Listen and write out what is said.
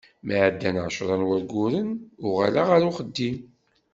Mi ɛeddan ɛecra n wayyuren, uɣaleɣ ɣer uxeddim.